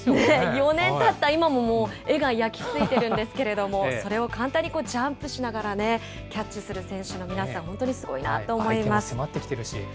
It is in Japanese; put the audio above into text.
４年たった今も、もう、絵が焼き付いてるんですけれども、それを簡単にジャンプしながらね、キャッチする選手の皆さん、本当にすごいなと思います。